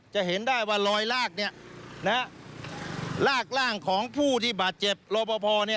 จะเห็นได้ว่าลอยลากลากร่างของผู้ที่บาดเจ็บรอปภ